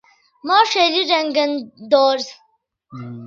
مو ݰئیلے رنگن دورز